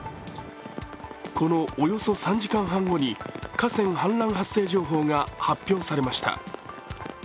このおよそ３時間半後に河川氾濫発生情報が発表されました。